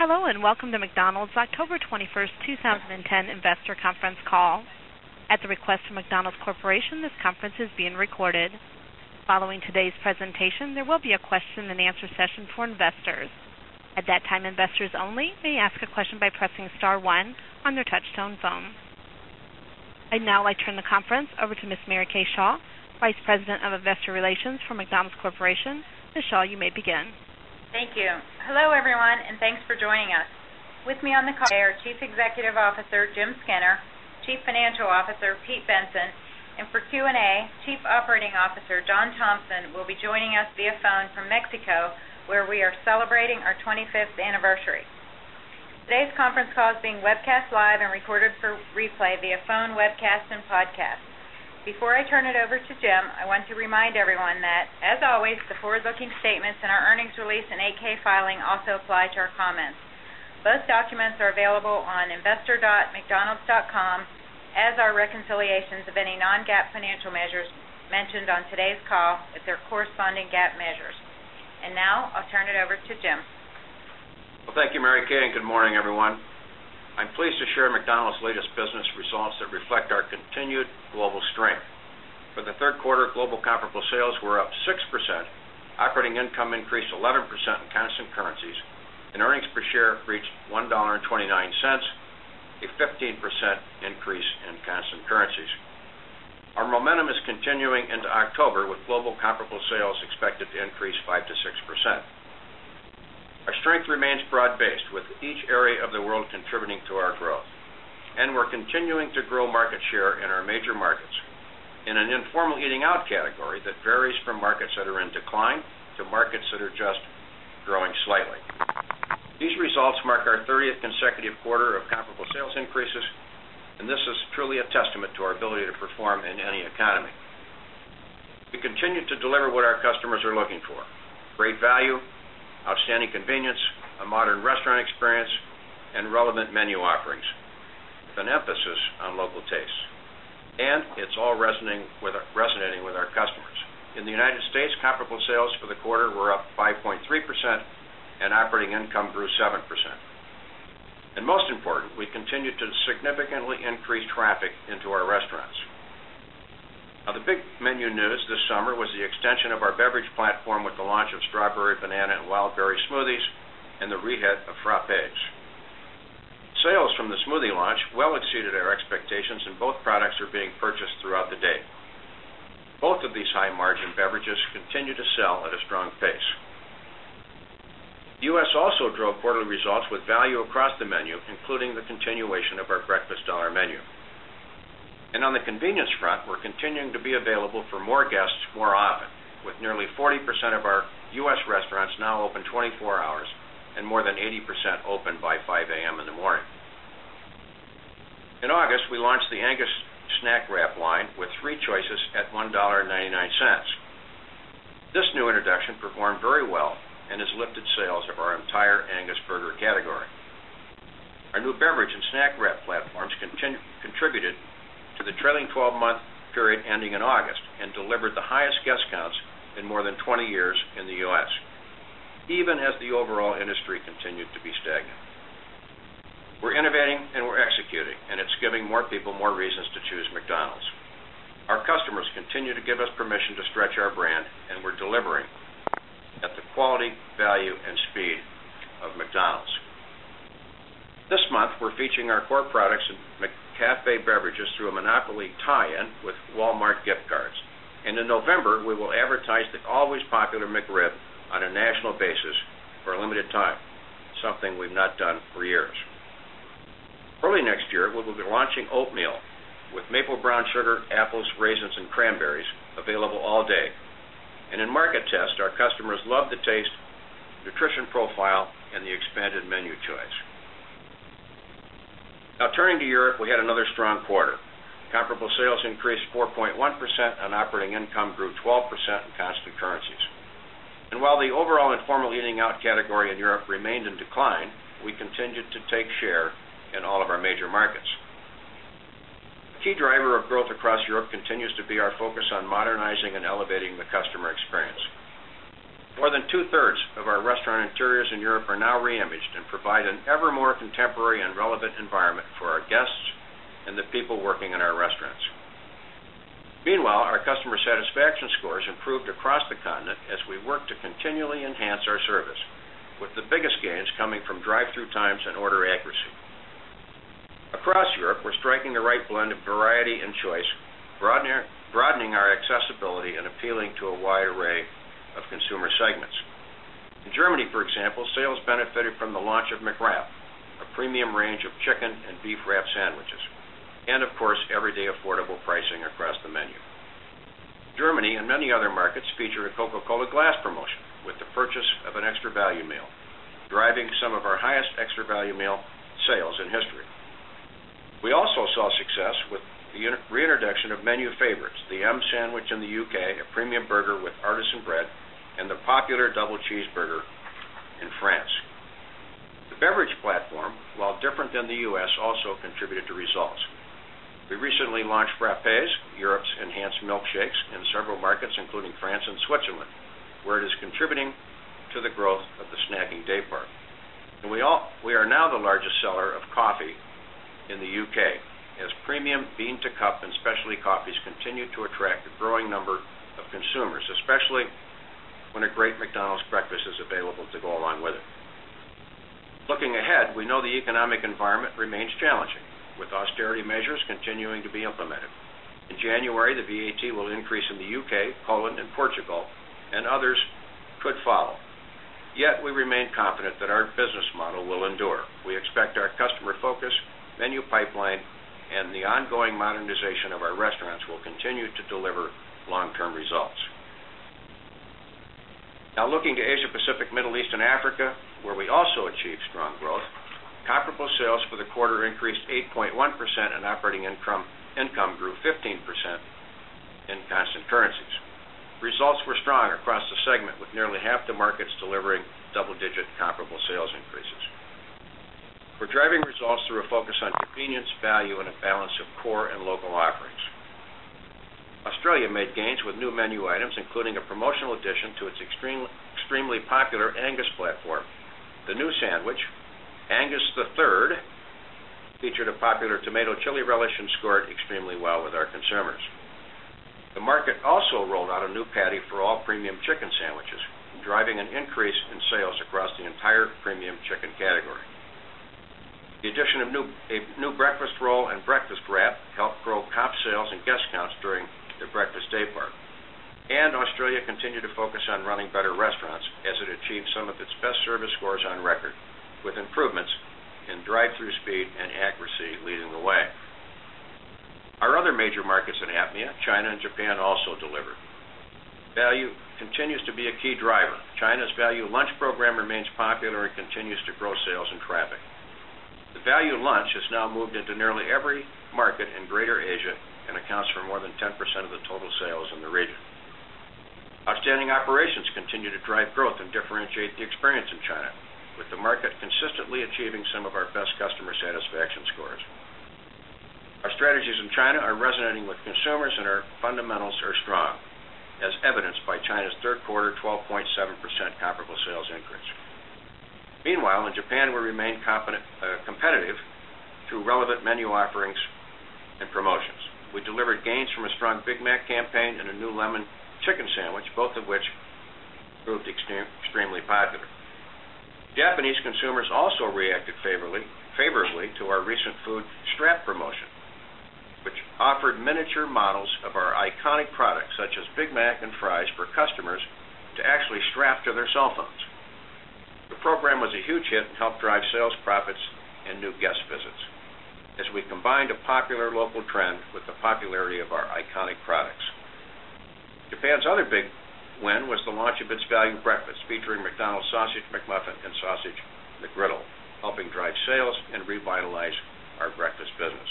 Hello, and welcome to McDonald's October 21, 2010 Investor Conference Call. At the request of McDonald's Corporation, this conference is being recorded. Following today's presentation, there will be a question and answer session for investors. I'd now like to turn the conference over to Ms. Mary Kay Shaw, Vice President of Investor Relations for McDonald's Corporation. Ms. Shaw, you may begin. Thank you. Hello, everyone, and thanks for joining us. With me on the call today are Chief Executive Officer, Jim Skinner Chief Financial Officer, Pete Benson and for Q and A, Chief Operating Officer, John Thompson will be joining us via phone from Mexico where we are celebrating our 25th anniversary. Today's conference call is being webcast live and recorded for replay via phone, webcast and podcast. Before I turn it over to Jim, I want to remind everyone that as always the forward looking statements in our earnings release and 8 ks filing also apply to our comments. Both documents are available on investor. Mcdonalds.com as are reconciliations of any non GAAP financial measures mentioned on today's call as their corresponding GAAP measures. And now, I'll turn it over to Jim. Thank you, Mary Kay, and good morning, everyone. I'm pleased to share McDonald's latest business results that reflect our continued global strength. For the Q3, global comparable sales were up 6%, operating income increased 11% in constant currencies and earnings per share reached $1.29 a 15% increase in constant currencies. Our momentum is continuing into October with global comparable sales expected to increase 5% to 6%. Our strength remains broad based with each area of the world contributing to our growth. And we're continuing to grow market share in our major markets. In an informal eating out category that varies from markets that are in decline to markets that are just growing slightly. These results mark our 30th consecutive quarter of comparable sales increases and this is truly a testament to our ability to perform in any economy. Continue to deliver what our customers are looking for, great value, outstanding convenience, a modern restaurant experience and relevant menu offerings, an emphasis on local tastes. And it's all resonating with our customers. In the United States, comparable sales for the quarter were up 5.3% and operating income grew 7%. And most important, we continue to significantly increase traffic into our restaurants. Now the big menu news this summer was the extension of our beverage platform with the launch of strawberry, banana and wild berry smoothies and the re head of frappage. Sales from the smoothie launch well exceeded our expectations and both products are being purchased throughout the day. Both of these high margin beverages continue to sell at a strong pace. U. S. Also drove quarterly results with value across the menu, including the continuation of our breakfast dollar menu. And on the convenience front, we're continuing to be available for more guests more often with nearly 40% of our U. S. Restaurants now open 24 hours and more than 80% open by 5 am in the morning. In August, we launched the Angus snack wrap line with 3 choices at $1.99 This new introduction performed very well and has lifted sales of our entire Angus Burger category. Our new beverage and snack wrap platforms contributed to the trailing 12 month period ending in August and delivered the highest guest counts in more than 20 years in the U. S, even as the overall industry continued to be stagnant. We're innovating and we're executing and it's giving more people more reasons to choose McDonald's. Our customers continue to give us permission to stretch our brand and we're delivering at the quality, value and speed of McDonald's. This month, we're featuring our core products in McCafe beverages through a monopoly tie in with Walmart gift cards. And in November, we will advertise the always popular McRib on a national basis for a limited time, something we've not done for years. Early next year, we will be launching oatmeal with maple brown sugar, apples, raisins and cranberries available all day. And in market test, our customers love the taste, nutrition profile and the expanded menu choice. Now turning to Europe, we had another strong quarter. Comparable sales increased 4.1% and operating income grew 12% in constant currencies. While the overall informal eating out category in Europe remained in decline, we continued to take share in all of our major markets. Key driver of growth across Europe continues to be our focus on modernizing and elevating the customer experience. More than 2 thirds of our restaurant interiors in Europe are now re imaged and provide an ever more contemporary and relevant environment for our guests and the people working in our restaurants. Meanwhile, our customer satisfaction scores improved across the continent as we work to continually enhance our service, with the biggest gains coming from drive through times and order accuracy. Across Europe, we're striking the right blend of variety and choice, broadening our accessibility and appealing to a wide array of consumer segments. In Germany, for example, sales benefited from the launch of McWrappe, a premium range of chicken and beef wrap sandwiches, and of course, everyday affordable pricing across the menu. Germany and many other markets featured a Coca Cola glass promotion with the purchase of an extra value meal, driving some of our highest extra value meal sales in history. We also saw success with reintroduction of menu favorites, the M sandwich in the UK, a premium burger with artisan bread and the popular double cheeseburger in France. The beverage platform, while different than the U. S, also contributed to results. We recently launched frappes, Europe's enhanced milkshakes in several markets, including France and Switzerland, where it is contributing to the growth of the snacking daypart. We are now the largest seller of coffee in the UK as premium bean to cup and specialty coffees continue to attract a growing number of consumers, especially when a great McDonald's breakfast is available to go along with it. Looking ahead, we know the economic environment remains challenging with austerity measures continuing to be implemented. In January, the VAT will increase in the UK, Poland and Portugal and others could follow. Yet, we remain confident that our business model will endure. We expect our customer focus, menu pipeline and the ongoing modernization of our restaurants will continue to deliver long term results. Now looking to Asia Pacific, Middle East and Africa, where we also achieved strong growth, comparable sales for the quarter increased 8.1% and operating income grew 15% in constant currencies. Results were strong across the segment with nearly half the markets delivering double digit comparable sales increases. We're driving results through a focus on convenience, value and a balance of core and local offerings. Australia made gains with new menu items, including a III featured a popular tomato chili relish and scored extremely well with our consumers. The market also rolled out a new patty for all premium chicken sandwiches, driving an increase in sales across the entire premium chicken category. The addition of a new breakfast roll and breakfast wrap helped grow comp sales and guest counts during the breakfast daypart. And Australia continued to focus on running better restaurants as it achieved some of its best service scores on record with improvements in drive through speed and accuracy leading the way. Our other major markets in APMEA, China and Japan also delivered. Value continues to be a key driver. China's value lunch program remains popular and continues to grow sales and traffic. The value of lunch has now moved into nearly every market in Greater Asia and accounts for more than 10% of the total sales in the region. Outstanding operations continue to drive growth and differentiate the experience in China, with the market consistently achieving some of our best customer satisfaction scores. Our strategies in China are resonating with consumers and our fundamentals are strong, as evidenced by China's Q3 12.7 percent comparable sales increase. Meanwhile, in Japan, we remain competitive through relevant menu offerings and promotions. We delivered gains from a strong Big Mac campaign and a new lemon chicken sandwich, both of which proved extremely popular. Japanese consumers also reacted favorably to our recent food strap promotion, which offered miniature models of our iconic products such as Big Mac and fries for customers to actually strap to their cell phones. The program was a huge hit and helped drive sales profits and new guest visits, as we combined a popular local trend with the popularity of our iconic products. Japan's other big win was the launch of its value breakfast featuring McDonald's sausage, McMuffin and sausage McGriddle, helping drive sales and revitalize our breakfast business.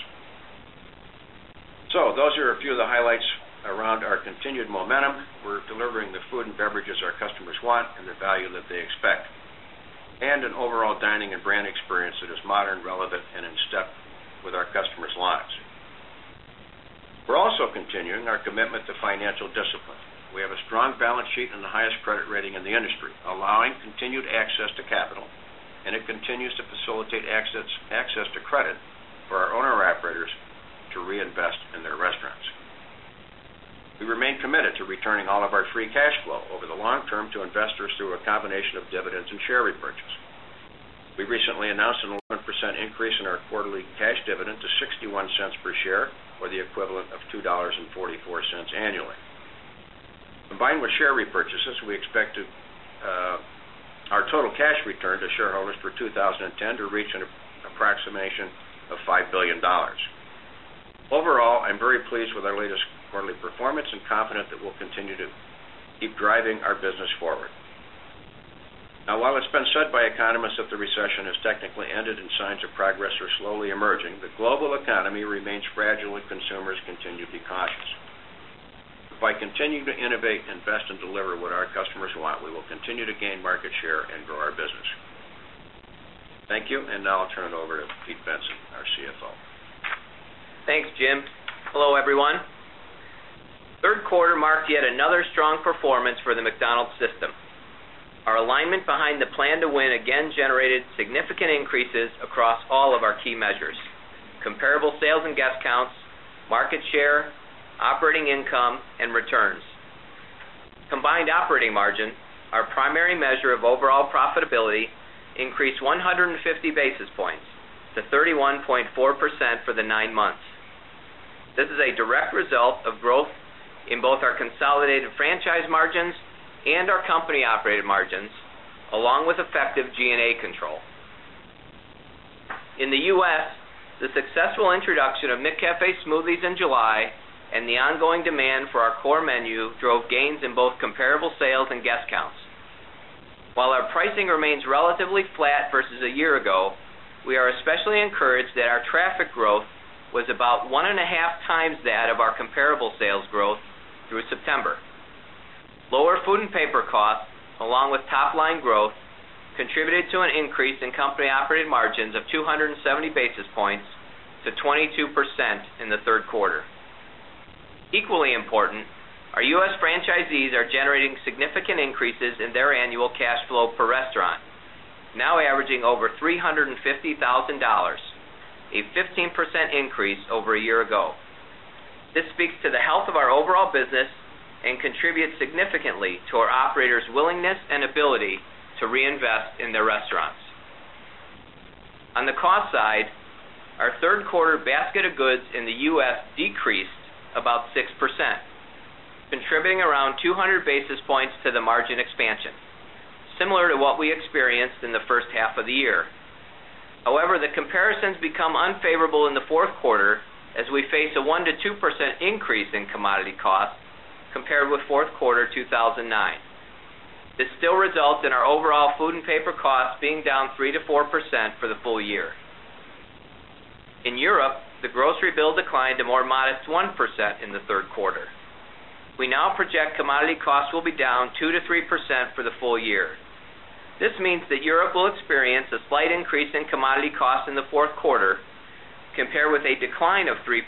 So those are a few of the highlights around our continued momentum. We're delivering the food and beverages our customers want and the value that they expect. And an overall dining and brand experience that is relevant and in step with our customers' lives. We're also continuing our commitment to financial discipline. We have a strong balance sheet and the highest credit rating in the industry, allowing continued access to capital and it continues to facilitate access to credit for our owner operators to reinvest in their restaurants. We remain committed to returning all of our free cash flow over the long term to investors through a combination of dividends and share repurchase. We recently announced an 11% increase in our quarterly cash dividend to $0.61 per share or the equivalent of $2.44 annually. Combined with share repurchases, we expect our total cash return to shareholders for 2010 to reach an approximation of $5,000,000,000 Overall, I'm very pleased with our latest quarterly performance and confident that we'll continue to keep driving our business forward. Now, while it's been said by economists that the recession has technically ended and signs of progress are slowly emerging, the global economy remains fragile and consumers continue to be cautious. By continuing to innovate, invest and deliver what our customers want, we will continue to gain market share and grow our business. Thank you. And now I'll turn it over to Pete Benson, our CFO. Thanks, Jim. Hello, everyone. 3rd quarter marked yet another strong performance for the McDonald's system. Our alignment behind the plan to win again generated significant increases across all of our key measures, comparable sales and guest counts, market share, operating income and returns. Combined operating margin, our primary measure of overall profitability, increased 150 basis points to 31.4% for the 9 months. This is a direct result of growth in both our consolidated franchise margins and our company operated margins, along with effective G and A control. In the U. S, the successful introduction of McCafe smoothies in July and the ongoing demand for our core menu drove gains in both comparable sales and guest counts. While our pricing remains relatively flat versus a year ago, are especially encouraged that our traffic growth was about 1.5 times that of our comparable sales growth through September. Lower food and paper costs, along with top line growth, contributed to an increase in company operated margins of 2 70 basis points to 22% in the Q3. Equally important, our U. S. Franchisees are generating significant increases in their annual cash flow per restaurant, now averaging over $350,000 a 15% increase over a year ago. This speaks to the health of our overall business and contributes significantly to our operators' willingness and ability to reinvest in their restaurants. On the cost side, our 3rd quarter basket of goods in the U. S. Decreased about 6%, contributing around 200 basis points to the margin expansion, similar to what we experienced in the first half of the year. However, the comparisons become unfavorable in the Q4 as we face a 1% to 2% increase in commodity costs compared with Q4 2,009. This still results in our overall food and paper costs being down 3% to 4% for the full year. In Europe, the grocery bill declined to more modest 1% in the 3rd quarter. We now project commodity costs will be down 2% to 3% for the full year. This means that Europe will experience a slight increase in commodity costs in the 4th quarter compared with a decline of 3%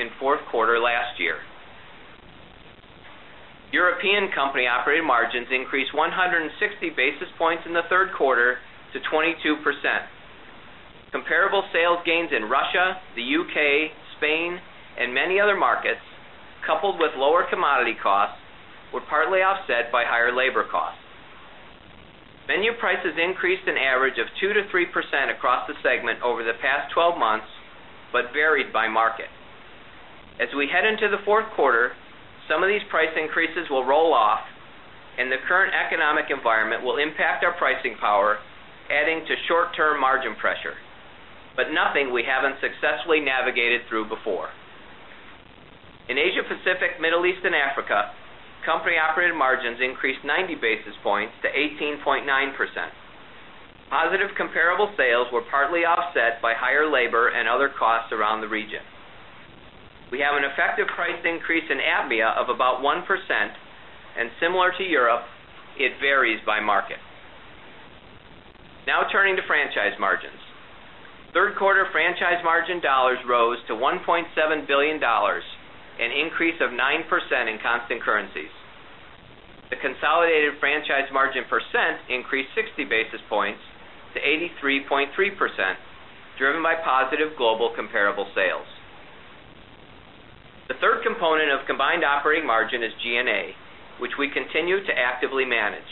in 4th quarter last year. European company operating margins increased 160 basis points in the 3rd quarter to 22 percent. Comparable sales gains in Russia, the UK, Spain and many other markets, coupled with lower commodity costs, were partly offset by higher labor costs. Menu prices increased an average of 2% to 3% across the segment over the past 12 months, but varied by market. As we head into the Q4, some of these price increases will roll off and the current economic environment will impact our pricing power adding to short term margin pressure, but nothing we haven't successfully navigated through before. In Asia Pacific, Middle East and Africa, company operated margins increased 90 basis points to 18.9%. Positive comparable sales were partly offset by higher labor and other costs around the region. We have an effective price increase in ABMEA of about 1% and similar to Europe, it varies by market. Now turning to franchise margins. 3rd quarter franchise margin dollars rose to $1,700,000,000 an increase of 9% in constant currencies. The consolidated franchise margin percent increased 60 basis points to 83.3 percent driven by positive global comparable sales. The 3rd component of combined operating margin is G and A, which we continue to actively manage.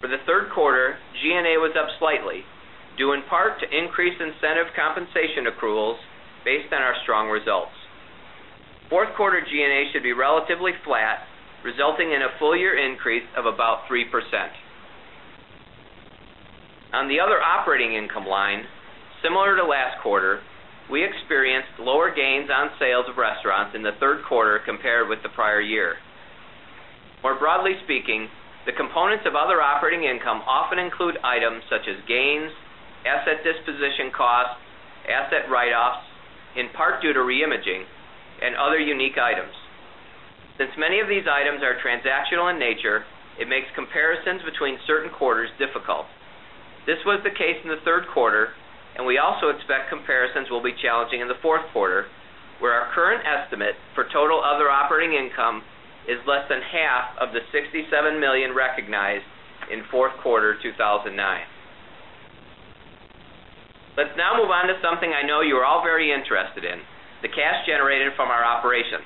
For the Q3, G and A was up slightly, due in part to increased incentive compensation accruals based on our strong results. 4th quarter G and A should be relatively flat, resulting in a full year increase of about 3%. On the other operating income line, similar to last quarter, we experienced lower gains on sales of restaurants in the Q3 compared with the prior year. More broadly speaking, the components of other operating income often include items such as gains, asset disposition costs, asset write offs, in part due to reimaging and other unique items. Since many of these items are transactional in nature, it makes comparisons between certain quarters difficult. This was the case in the Q3, and we also expect comparisons will be challenging in the 4th quarter, where our current estimate for total other operating income is less than half of the $67,000,000 recognized in Q4 2019. Let's now move on to something I know you're all very interested in, the cash generated from our operations.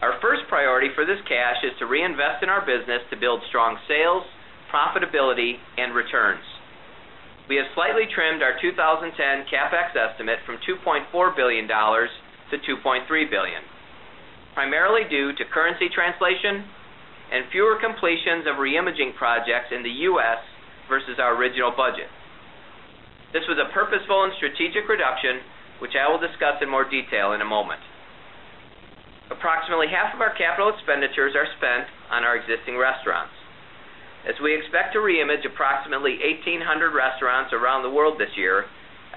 Our first priority for this cash is to reinvest in our business to build strong sales, profitability and returns. We have slightly trimmed our 2010 CapEx estimate from $2,400,000,000 to $2,300,000,000 primarily due to currency translation and fewer completions of reimaging projects in the U. S. Versus our original budget. This was a purposeful and strategic reduction, which I will discuss in more detail in a moment. Approximately half of our capital expenditures are spent on our existing restaurants. As we expect to re image approximately 1800 restaurants around the world this year,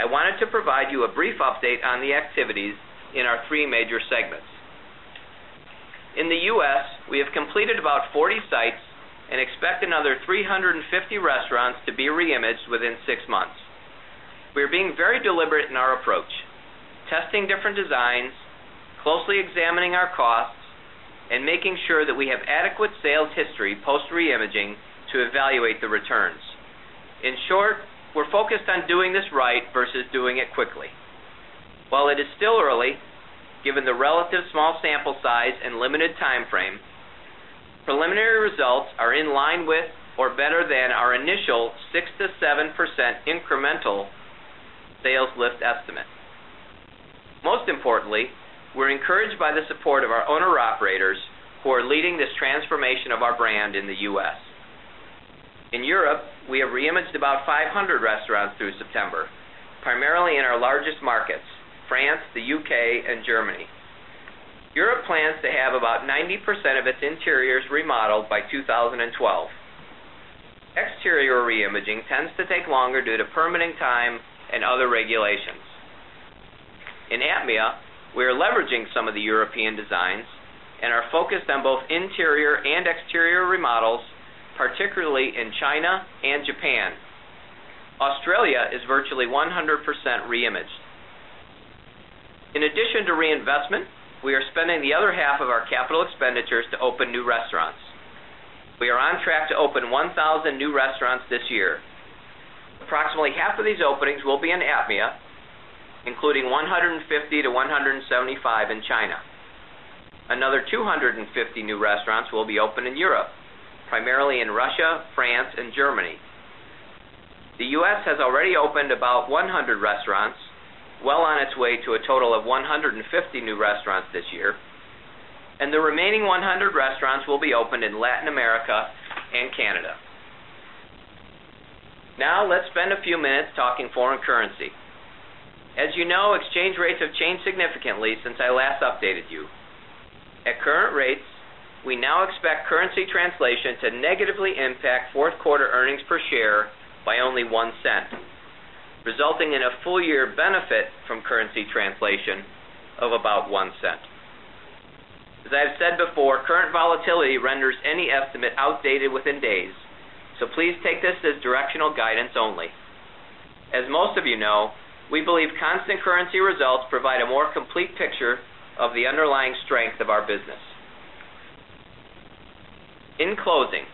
I wanted to provide you a brief update on the activities in our 3 major segments. In the U. S, we have completed about 40 sites and expect another 350 restaurants to be re imaged within 6 months. We are being very deliberate in our approach, testing different designs, closely examining our costs and making sure that we have adequate sales history post reimaging to evaluate the returns. In short, we're focused on doing this right versus doing it quickly. While it is still early, given the relative small sample size and limited timeframe, preliminary results are in line with or better than we're encouraged by the support of our owner operators who are leading this transformation of our brand in the U. S. In Europe, we have re imaged about 500 restaurants through September, primarily in our largest markets, France, the UK, and Germany. Europe plans to have about 90% of its interiors remodeled by 2012. Exterior reimaging tends to take longer due to permitting time and other regulations. In APMEA, we are leveraging some of the European designs and are focused on both interior and exterior remodels, particularly in China and Japan. Australia is virtually 100% re imaged. In addition to reinvestment, we are spending the other half of our capital expenditures to open new restaurants. We are on track to open 1,000 new restaurants this year. Approximately half of these openings will be in APMEA, including 150 to 175 in China. Another 250 new restaurants will be opened in Europe, primarily in Russia, France and Germany. The U. S. Has already opened about 100 restaurants, well on its way to a total of 150 new restaurants this year, the remaining 100 restaurants will be opened in Latin America and Canada. Now, let's spend a few minutes talking foreign currency. As you know, exchange rates have changed significantly since I last updated you. At current rates, we now expect currency translation to negatively impact 4th quarter earnings per share by only $0.01 resulting in a full year benefit from currency translation of about 0 point 0 $1 As I've said before, current volatility renders any estimate outdated within days, so please take this as directional guidance only. As most of you know, we believe constant currency results provide a more complete picture of the underlying strength of our business. In closing,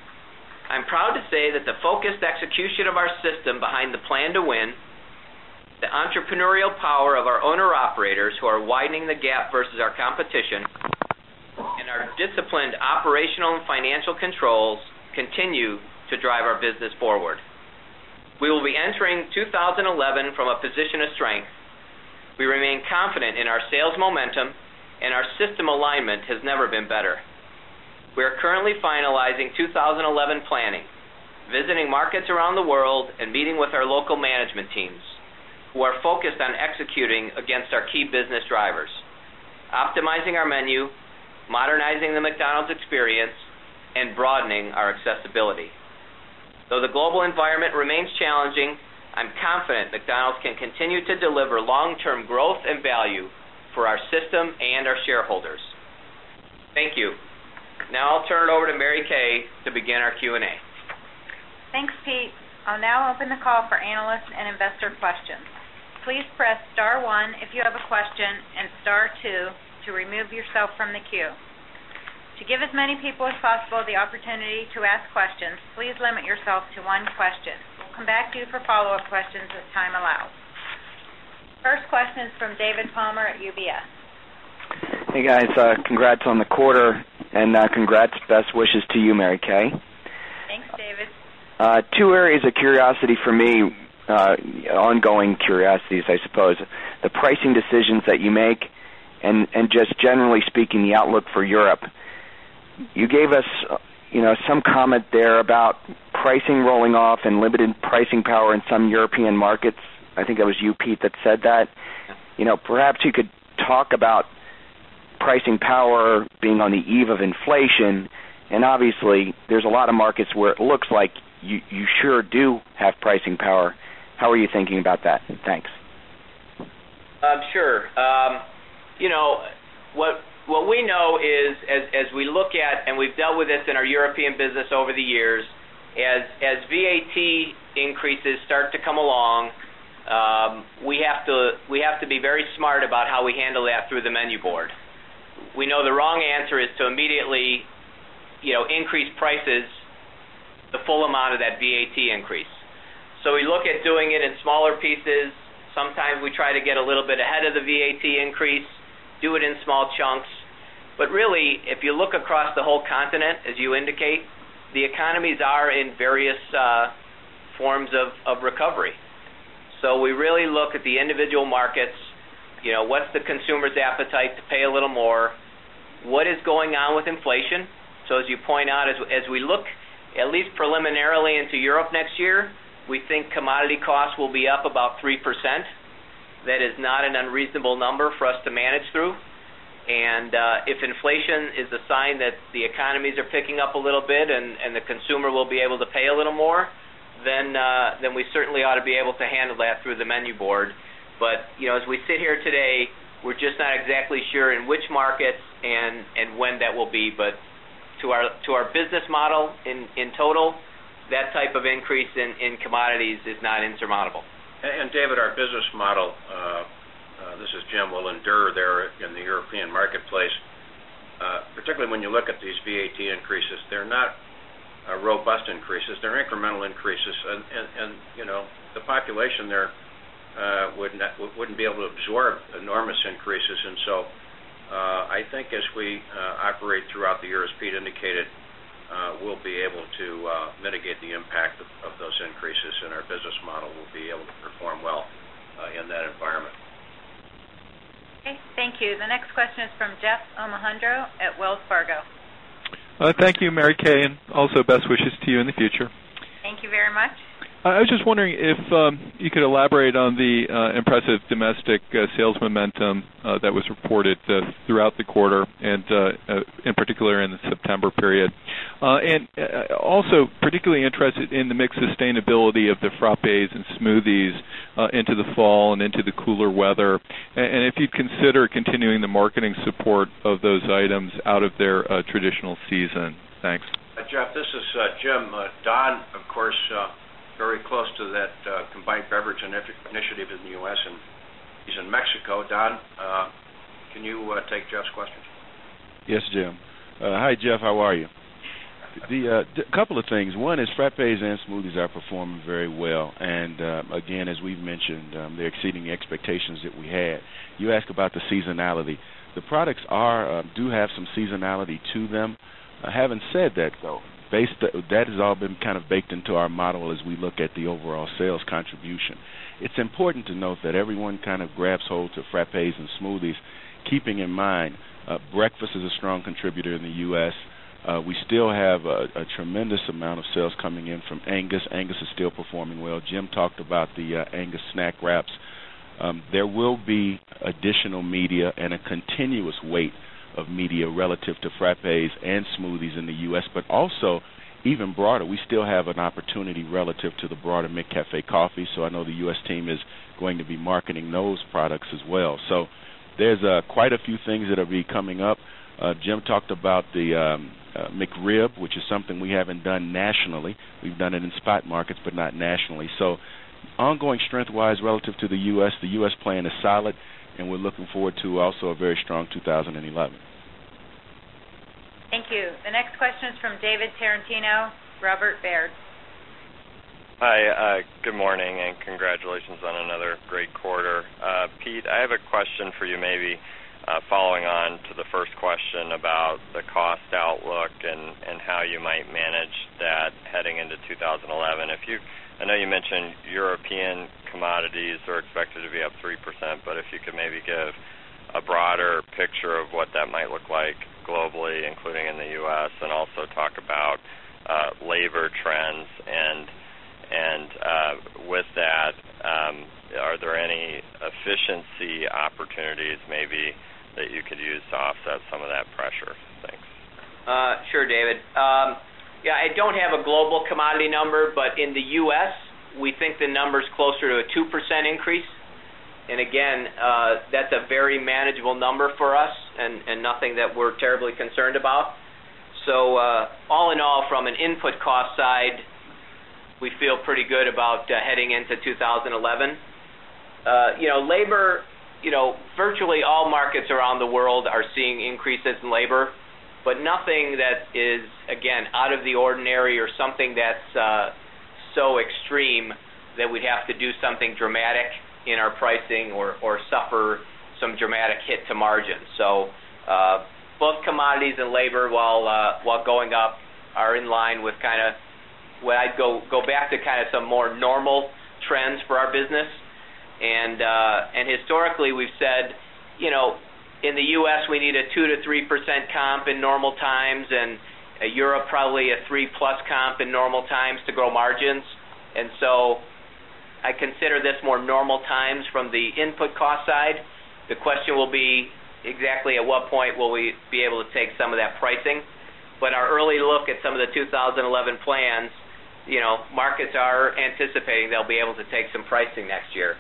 I'm proud to say that the focused execution of our system behind the plan to win, the entrepreneurial power of our owner operators who are widening the gap versus our competition and our disciplined operational and financial controls continue to drive our business forward. Will be entering 2011 from a position of strength. We remain confident in our sales momentum and our system alignment has never been better. We are currently finalizing 2011 planning, visiting markets around the world and meeting with our local management teams who are focused on executing against our key business drivers, optimizing our menu, modernizing the McDonald's experience, and broadening our accessibility. Though the global environment remains challenging, I'm confident McDonald's can continue to deliver long term growth and value for our system and our shareholders. Thank you. Now I'll turn it over to Mary Kay to begin our Q and A. Thanks, Pete. I'll now open the call for analysts and investor 1st question is from David Palmer at UBS. Hey guys, congrats on the quarter and congrats best wishes to you Mary Kay. Thanks David. Two areas of curiosity for me, ongoing curiosities, I suppose. The pricing decisions that you make and just generally speaking, the outlook for Europe, You gave us some comment there about pricing rolling off and limited pricing power in some European markets. I think it was you Pete that said that. Perhaps you could talk about pricing power being on the eve of inflation. And obviously, there's a lot of markets where it looks like you sure do have pricing power. How are you thinking about that? Thanks. Sure. What we know is, as we look at and we've dealt with this in our European business over the years, as VAT increases start to come along, we have to be very smart about how we handle that through the menu board. We know the wrong answer is to immediately increase prices, the full amount of that VAT increase. We look at doing it in smaller pieces. Sometimes we try to get a little bit ahead of the VAT increase, do it in small chunks. But really, if you look across the whole continent, as you indicate, the economies are in various forms of recovery. So we really look at the individual markets, what's the consumer's appetite to pay a little more, what is going on with inflation. So as you point out, as we look at least preliminarily into Europe next year, we think commodity costs will be up about 3%. That is not an unreasonable number for us to manage through. And if inflation is a sign that the economies are picking up a little bit and the consumer will be able to pay a little more, then we certainly ought to be able to handle that through the menu board. But as we sit here today, we're just not exactly sure in which markets and when that will be. But to our business model in total, that type of increase in commodities is not insurmountable. And David, our business model, this is Jim, will endure there in the European marketplace. Particularly when you look at these VAT increases, they're not robust increases, they're incremental increases. And the population there wouldn't be able to absorb enormous increases. And so, I think as we operate throughout the year, as Pete indicated, we'll be able to mitigate the impact of those increases in our business model. We'll be able to perform well in that environment. Okay. Thank you. The next question is from Jeff Omohundro at Wells Fargo. Thank you, Mary Kay, and also best wishes that was reported throughout the quarter and in that was reported throughout the quarter and in particular in the September period. And also particularly interested in the mix sustainability of the frappes and smoothies into the fall and into the cooler weather. And if you consider continuing the marketing support of those items out of their traditional season? Thanks. Jeff, this is Jim. Don, of course, very close to that combined beverage and electric initiative in the U. S. And he's in Mexico. Don, can you take Jeff's question? Yes, Jim. Hi, Jeff. How are you? A couple of things. One is frappes and smoothies are performing very well. And, again, as we've mentioned, they're exceeding expectations that we had. You asked about the seasonality. The products are, do have some seasonality to them. I haven't said that though, based that has all been kind of baked into our model as we look at the overall sales contribution. It's important to note that everyone kind of grabs hold of frappes and smoothies keeping in mind, breakfast is a strong contributor in the U. S. We still have a tremendous amount of sales coming in from Angus. Angus is still performing well. Jim talked about the Angus snack wraps. There will be additional media and a continuous weight of media relative to frappes and smoothies in the U. S, but also even broader, we still have an opportunity relative to the broader McCafe coffee. So, I know the U. S. Team is going to be marketing those products as well. So, there's quite a few things that will be coming up. Jim talked about the McRib, which is something we haven't done nationally. We've done it in spot markets, but not nationally. So ongoing strength wise relative to the U. S, the U. S. Plan is solid and we're looking forward to also a very strong 2011. Thank you. The next question is from David Tarantino, Robert Baird. Hi, good morning and congratulations on another great quarter. Pete, I have a question for you maybe following on to the first question about the cost outlook and how you might manage that heading into 2011. If you I know you mentioned European commodities are expected to be up 3%, but if you could maybe give a broader picture of what that might look like globally, including in the U. S. And also talk about labor trends. And with that, are there any efficiency opportunities maybe that you could use to offset some of that pressure? Thanks. Sure, David. Yes, I don't have a global commodity number, but in the U. S, we think the number is closer to a 2% increase. And again, that's a very manageable number for us and nothing that we're terribly concerned about. So all in all, from an input cost side, we feel pretty good about heading into 2011. Labor, virtually all markets around the world are seeing increases in labor, but nothing that is, again, out of the ordinary or something that's so extreme that we'd have to do something dramatic in our pricing or suffer some dramatic hit to margins. So, both commodities and labor, while going up, are in line with kind of where I'd go back to kind of some more normal trends for our business. And historically, we've said, in the U. S, we need a 2% to 3% comp in normal times and Europe, probably a 3% plus comp in normal times to grow margins. And so I consider this more normal times from the input cost side. The question will be exactly at what point will we be able to take some of that pricing. But our early look at some of the 2011 plans, markets are anticipating they'll be able to take some pricing next year.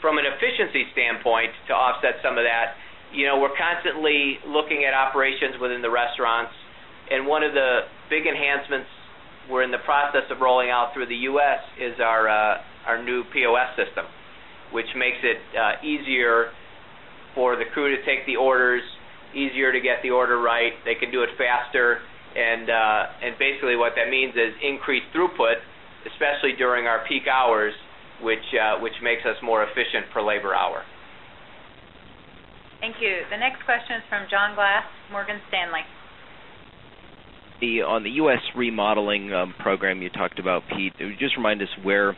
From an efficiency standpoint, to offset some of that, we're constantly looking at operations within the restaurants. And one of the big enhancements we're in the process of rolling out through the U. S. Is our new POS system, which makes it easier for the crew to take the orders, easier to get the order right, they can do it faster. And basically what that means is increased put, especially during our peak hours, which makes us more efficient for labor hour. Thank you. The next question is from John Glass, Morgan Stanley. On the U. S. Remodeling program you talked about, Pete, just remind us where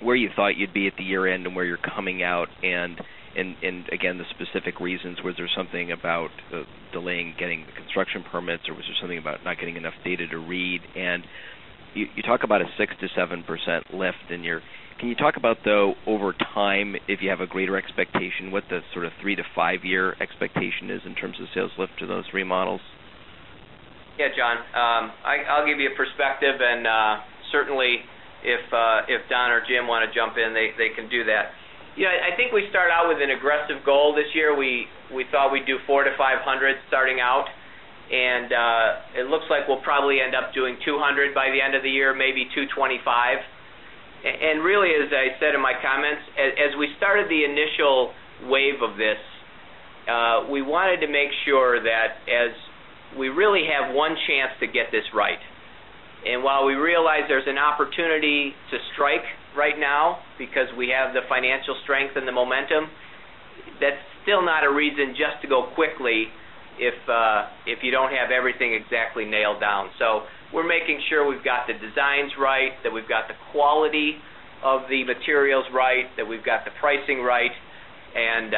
you thought you'd be at the year end and where you're coming out and again the specific reasons, was there something about delaying getting the construction permits or was there something about not getting enough data to read? And you talk about a 6% to 7% lift in your can you talk about though over time if you have a greater expectation what the sort of 3 to 5 year expectation is in terms of sales lift to those 3 models? Yes, John. I'll give you a perspective. And certainly, if Don or Jim want to jump in, they can do that. Yes, I think we start out with an aggressive goal this year. We thought we'd do 400 to 500 starting out. And it looks like we'll probably end up doing 200 by the end of the year, maybe 225. And really, as I said in my comments, as we started the initial wave of this, we wanted to make sure that as we really have one chance to get this right. And while we realize there's an opportunity to strike right now because we have the financial strength and the momentum, that's still not a reason just to go quickly if you don't have everything exactly nailed down. So we're making sure we've got the designs right, that we've got the quality of the materials right, that we've got the pricing right. And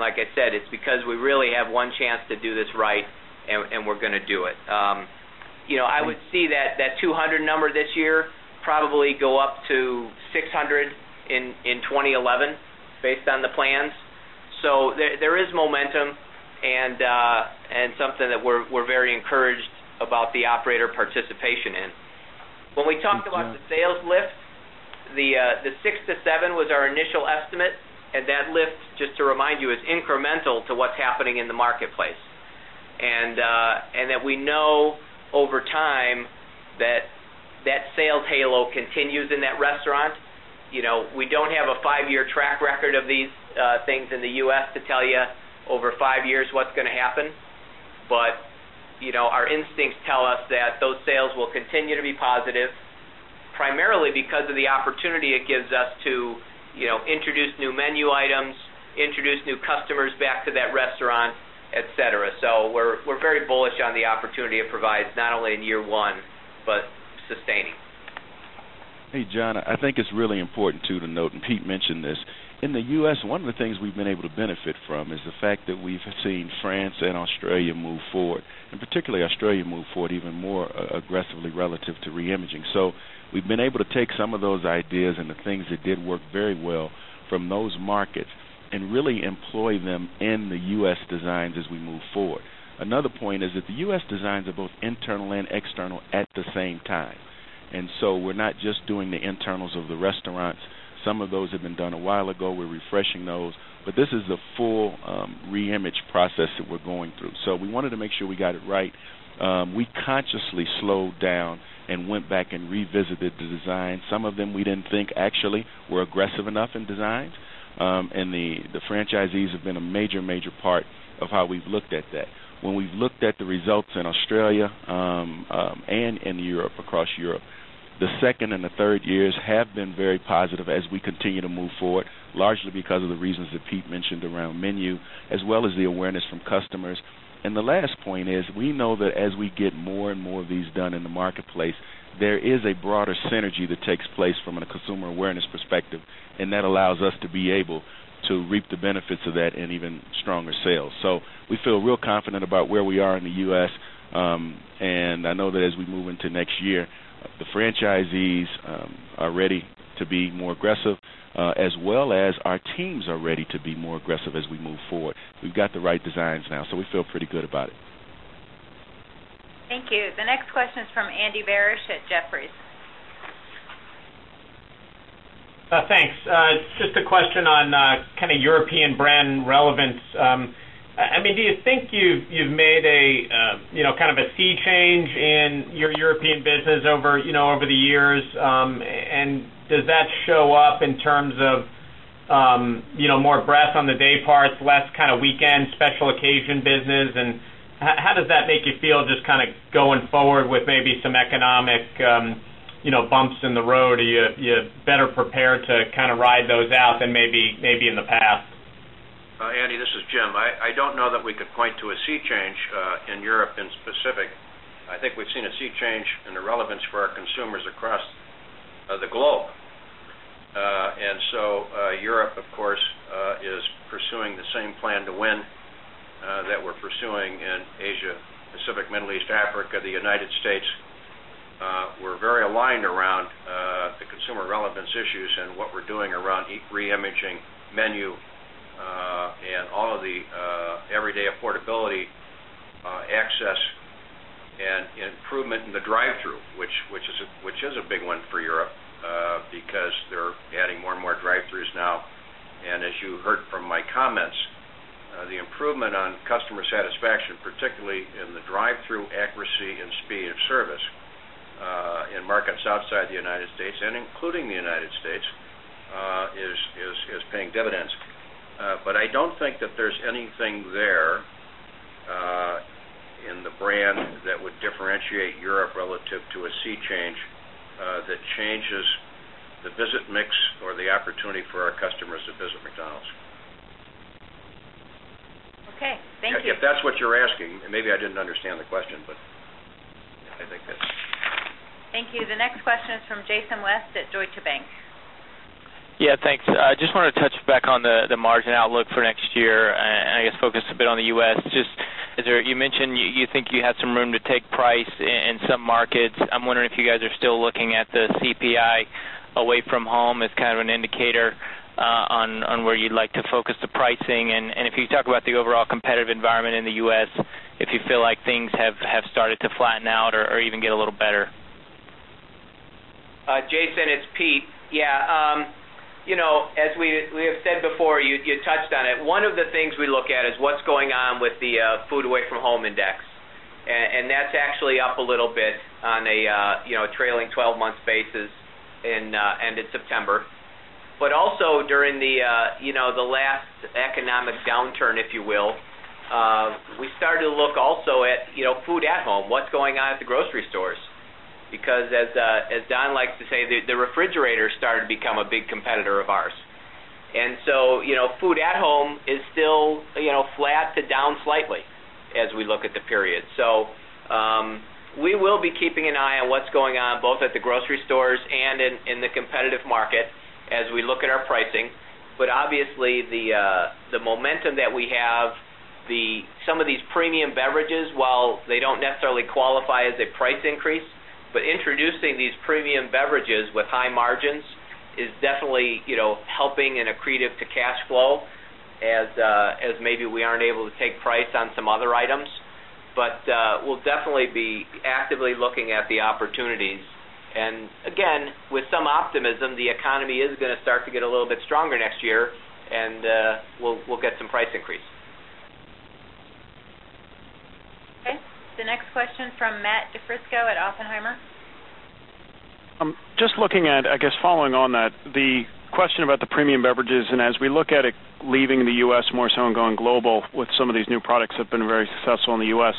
like I said, it's because we really have one chance to do this right and we're going to do it. I would see that 200 number this year probably go up to 600 in 2011 based on the plans. So there is momentum and something that we're very encouraged about the operator participation in. When we talked about the sales lift, the 6% to 7% was our initial estimate and that lift, just to remind you, is that that sales halo continues in that restaurant. We don't have a 5 year track record of these things in the U. S. To tell you over 5 years what's going to happen. But our instincts tell us that those sales will continue to be positive, primarily because of the opportunity it gives us to introduce new menu items, introduce new customers back to that restaurant, etcetera. So we're very bullish on the opportunity it provides not only in year 1, but sustaining. Hey, John, I think it's really important too to note and Pete mentioned this, In the U. S, one of the things we've been able to benefit from is the fact that we've seen France and Australia move forward and particularly Australia move forward even more aggressively relative to reimaging. So, we've been able to take some of those ideas and the things that did work very well from those markets and really employ them in the U. S. Designs as we move forward. Another point is that the U. S. Designs are both internal and external at the same time. And so, we're not just doing the internals of the restaurants. Some of those have been done a while ago. We're refreshing those. But this is a full, reimage process that we're going through. So, we wanted to make sure we got it right. We consciously slowed down and went back and revisited the design. Some of them we didn't think actually were aggressive enough in design, and the franchisees have been a major, major part of how we've looked at that. When we've looked at the results in Australia, and in Europe, across Europe, The second and the third years have been very positive as we continue to move forward largely because of the reasons that Pete mentioned around menu as well as the awareness from customers. And the last point is we know that as we get more and more of these done in the marketplace, there is a broader synergy that takes place from a consumer awareness perspective and that allows us to be able to reap the benefits of that and even stronger sales. So, we feel real confident about where we are in the U. S. And I know that as we move into next year, the franchisees are ready to be more aggressive as well as our teams are ready to be more aggressive as we move forward. We've got the right designs now. So we feel pretty good about it. The next question is from Andy Barish at Jefferies. Just a question kind of European brand relevance. I mean, do you think you've made a kind of a sea change in your European business over the years? And does that show up in terms of more on the day parts, less kind of weekend special occasion business? And how does that make you feel just kind of going forward with maybe some economic bumps in the road, are you better prepared to kind of ride those out than maybe in the past? Andy, this is Jim. I don't know that we could point to a sea change in Europe in specific. I think we've seen a sea change in the relevance for our consumers across the globe. And so, Europe, of course, is pursuing the same plan to win that we're pursuing in Asia, Pacific, Middle East, Africa, the United States. We're very aligned around the consumer relevance issues and what we're doing around heat reimaging menu and all of the everyday affordability access and improvement in the drive through, which is a big one for Europe because they're adding more and more drive thrus now. And as you heard from my comments, the improvement on customer satisfaction, particularly in the drive thru accuracy and speed of service in markets outside the United States and including the United States is paying dividends. But I don't think that there's anything there in the brand that would differentiate Europe relative to a sea change that changes the visit mix or the opportunity for our customers to visit McDonald's. Okay. Thank you. I think if that's what you're asking, maybe I didn't understand the question, but I think that's it. Thank you. The next question is from Jason West at Deutsche Bank. Yes, thanks. I just wanted to touch back on the margin outlook for next year and I guess focus a bit on the U. S. Just as you mentioned, you think you had some room to take price in some markets. I'm wondering if you guys are still looking at the CPI away from home as kind of an indicator on where you'd like to focus the pricing? And if you talk about the overall competitive environment in the U. S, if you feel like things have started to flatten out or even get a little better? Jason, it's Pete. Yes, as we have said before, you touched on it, one of the things we look at is what's going on with the Food Away From Home Index. And that's actually up a little bit on a trailing 12 month basis ended September. But also during the last economic downturn, if you will, we started to look also at food at home, what's going on at the grocery stores, because as Don likes to say, the refrigerator started to become a big competitor of ours. And so food at home is still flat to down slightly as we look at the period. So we will be keeping an eye on what's going on both at the grocery stores and in the competitive market as we look at our pricing. But obviously, the momentum that we have, the some of these premium beverages, while they don't necessarily qualify as a price increase, but introducing these premium beverages with high margins is definitely helping and accretive to cash flow as maybe we aren't able to take price on some other items. But we'll definitely be actively looking at the opportunities. And again, with some optimism, the economy is going to start to get a little bit stronger next year and we'll get some price increase. Okay. The next question from Matt DiFrisco at Oppenheimer. Just looking at, I guess following on that, the question about the premium beverages and as we look at it leaving the U. S. More so and going global with some of these new products have been very successful in the U. S.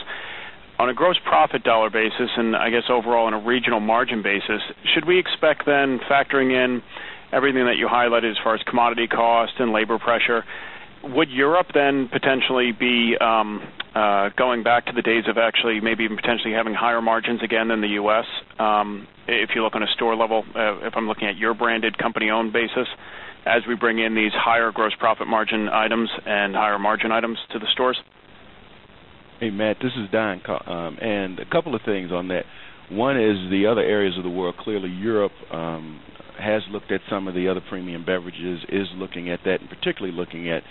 On a gross profit dollar basis and I guess overall on a regional margin basis, should we expect then factoring in everything that you highlighted as far as commodity cost and labor pressure, would Europe then then potentially be going back to the days of actually maybe even potentially having higher margins again than the U. S. If you look on a store level, if I'm looking at your branded company owned basis as we bring in these higher gross profit margin items and higher margin items to the stores? Hey, Matt. This is Don. And a couple of things on that. One is the other areas of the world. Clearly, Europe has looked at some of the other premium beverages, is looking at that and particularly looking at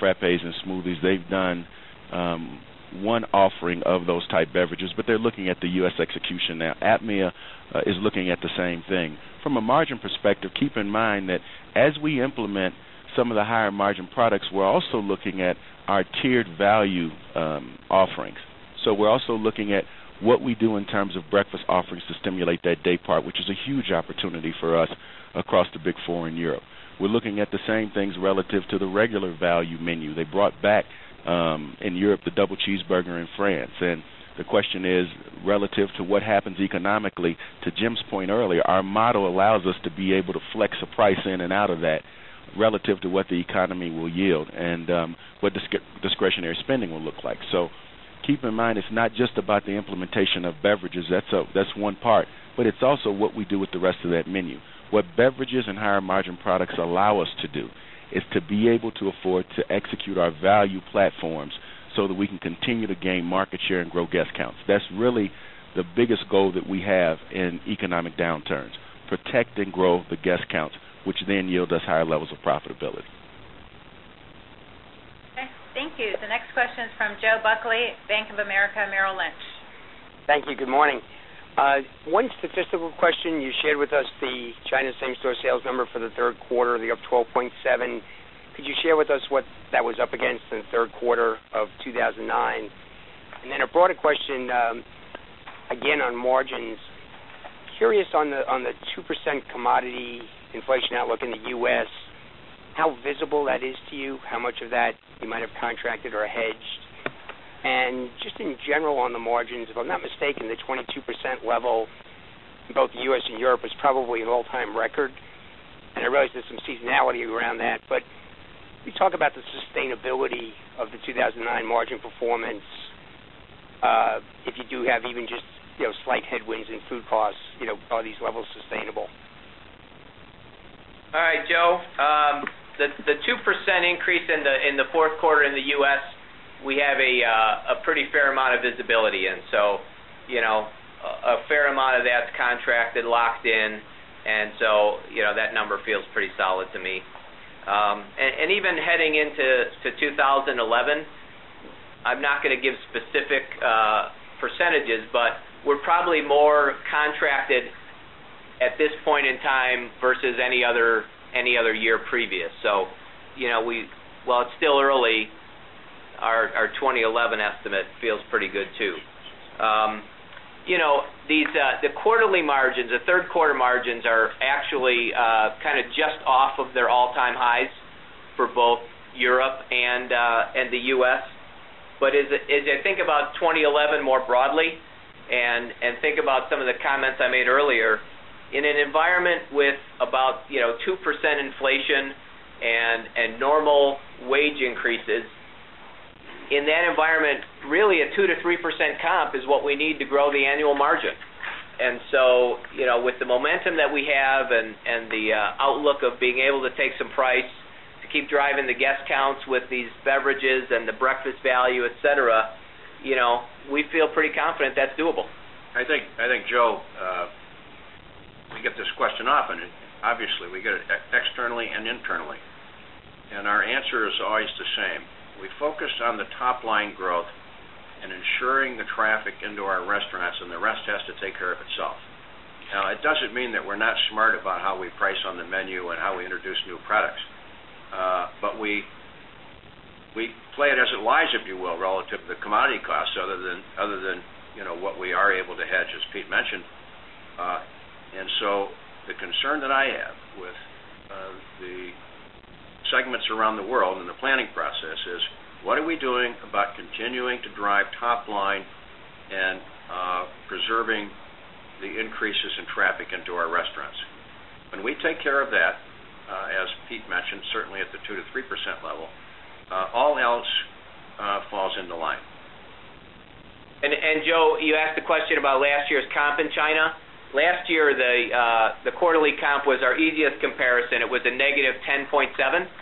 frappes and smoothies. They've done one offering of those type beverages, but they're looking at the U. S. Execution now. APMEA is looking at the same thing. From a margin perspective, keep in mind that as we implement some of the higher margin products, we're also looking at our tiered value offerings. So, we're also looking at what we in terms of breakfast offerings to stimulate that daypart, which is a huge opportunity for us across the big four in Europe. We're looking at the same things relative to the regular value menu. They brought back, in Europe, the double cheeseburger in France. And the question is relative to what happens economically, what the what discretionary spending will look like. So keep in mind, it's not just about the implementation of beverages. That's one part. But it's also what we do with the rest of that menu. What beverages and higher margin products allow us to do is to be able to afford to execute our value platforms so that we can continue to gain market share and grow guest counts. That's really the biggest goal that we have in economic downturns, protect and grow the guest counts which then yield us higher levels of profitability. Okay. Thank you. The next question is from Joe Buckley, Bank of America Merrill Lynch. Thank you. Good morning. One is the physical question. You shared with us the China same store sales number for the Q3, the up 12.7. Could you share with us what that was up against in the Q3 of 2009? And then a broader question, again, on margins. Curious on the 2% commodity inflation outlook in the U. S, how visible that is to you? How much of that you might have contracted or hedged? And just in general on the margins, if I'm not mistaken, the 22% level in both U. S. And Europe is probably an all time record. And I realize there's some seasonality around that. But can you talk about the sustainability of the 2,009 margin performance? If you do have even just slight headwinds in food costs, are these levels sustainable? All right, Joe. The 2% increase in the Q4 in the U. S, we have a pretty fair amount of visibility. And so a fair amount of that's contracted locked in. And so that number feels pretty solid to me. And even heading into 2011, I'm not going to give specific percentages, but we're probably more contracted at this point in time versus any other year previous. So, while it's still early, our 2011 estimate feels pretty good too. The quarterly margins, the 3rd quarter margins are actually kind of just off of their all time highs for both Europe and the U. S. But as I think about 2011 more broadly and think about some of the comments I made earlier, in an environment with about 2% inflation and normal wage increases, in that environment, really a 2% to 3% comp is what we need to grow the annual margin. And so with the momentum that we have and the outlook of being able to take some price to keep driving the guest counts with these beverages and the breakfast value, etcetera, we feel pretty confident that's doable. I think, Joe, we get this question often. Obviously, we get it externally and internally. And our answer is always the same. We focus on the top line growth and ensuring the traffic into our restaurants and the rest has to take care of itself. Now, it doesn't mean that we're not smart about how we price on the menu and how we introduce new products. But we play it as it lies, if you will, relative to commodity costs other than what we are able to hedge, as Pete mentioned. And so, the concern that I have with the segments around the world and the planning process is, what are we doing about we take care of that, as Pete mentioned, certainly at the 2% to 3% level, all else falls into line. And Joe, you asked a question about last year's comp in China. Last year, the quarterly comp was our easiest comparison. It was a negative 10.7 percent,